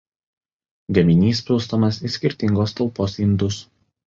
Gaminys pilstomas į skirtingos talpos indus.